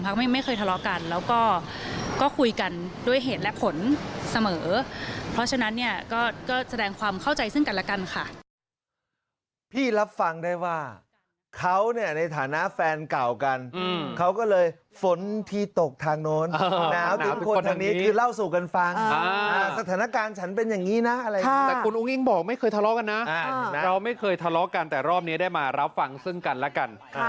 เพราะฉะนั้นก็แสดงความเข้าใจซึ่งกันและกันค่ะ